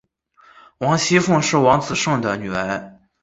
王熙凤是王子胜的女儿。